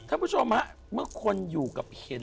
ท่านผู้ชมฮะเมื่อคนอยู่กับเห็น